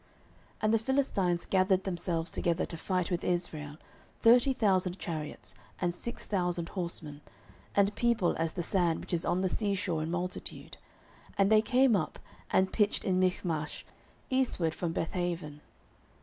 09:013:005 And the Philistines gathered themselves together to fight with Israel, thirty thousand chariots, and six thousand horsemen, and people as the sand which is on the sea shore in multitude: and they came up, and pitched in Michmash, eastward from Bethaven.